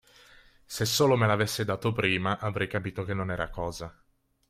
Se solo me l'avesse dato prima, avrei capito che non era cosa.